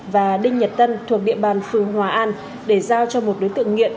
và đinh nhật tân thuộc địa bàn phường hòa an để giao cho một đối tượng nghiện